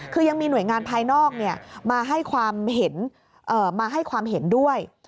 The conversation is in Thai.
คือยังมีหน่วยงานภายนอกมาให้ความเห็นด้วย